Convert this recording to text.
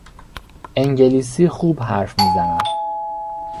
انگلیسی خوب حرف میزند.